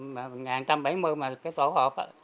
mà một một trăm bảy mươi mà cái tổ hộp á